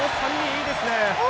３人いいですね。